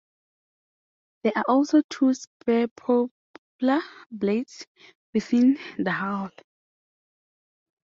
There are also two spare propeller blades within the hull.